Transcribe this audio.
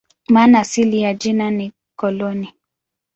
Maana asili ya jina ni "koloni".